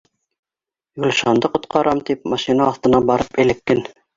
Гөлшанды ҡотҡарам тип машина аҫтына барып эләккән